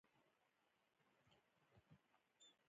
دعاګانې راپسې دي هسې نه چې